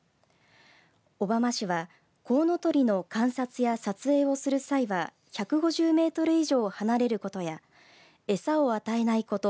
小浜市はコウノトリの観察や撮影をする際は１５０メートル以上離れることや餌を与えないこと